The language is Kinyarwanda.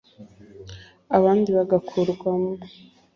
abandi bagakurwamo